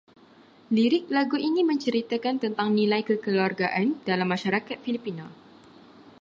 Lirik lagu ini menceritakan tentang nilai kekeluargaan dalam masyarakat Filipina